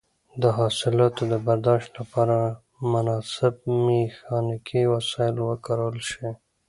د حاصلاتو د برداشت لپاره مناسب میخانیکي وسایل وکارول شي.